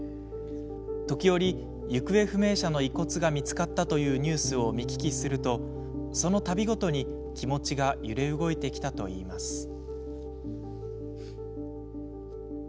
時折、行方不明者の遺骨が見つかったというニュースを見聞きすると、そのたびごとに気持ちが揺れ動いてきたといいます。